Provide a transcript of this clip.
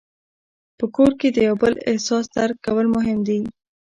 په کور کې د یو بل احساس درک کول مهم دي.